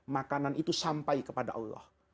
makanan itu sampai kepada allah